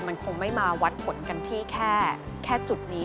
มันคงไม่มาวัดผลกันที่แค่จุดนี้